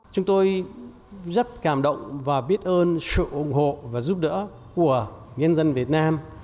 chúng tôi rất cảm động và biết ơn sự ủng hộ và giúp đỡ của nhân dân việt nam